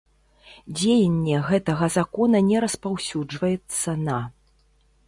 Дзеянне гэтага Закона не распаўсюджваецца на.